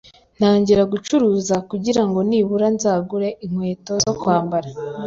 ntangira gucuruza kugirango nibura nzagure inkweto zo kwambara